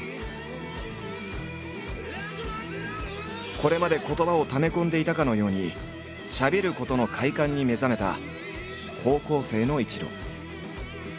これまで言葉をため込んでいたかのようにしゃべることの快感に目覚めた高校生の伊知郎。